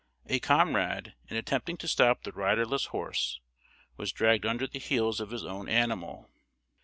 A comrade, in attempting to stop the riderless horse, was dragged under the heels of his own animal.